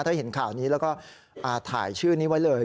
ถ้าเห็นข่าวนี้แล้วก็ถ่ายชื่อนี้ไว้เลย